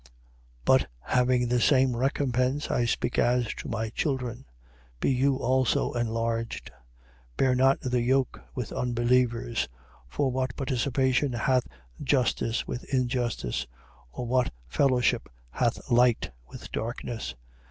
6:13. But having the same recompense (I speak as to my children): be you also enlarged. 6:14. Bear not the yoke with unbelievers. For what participation hath justice with injustice? Or what fellowship hath light with darkness?